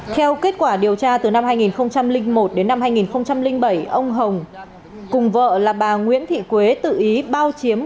theo kết quả điều tra từ năm hai nghìn một đến năm hai nghìn bảy ông hồng cùng vợ là bà nguyễn thị quế tự ý bao chiếm